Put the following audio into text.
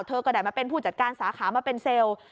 ก็ได้มาเป็นผู้จัดการสาขามาเป็นเซลล์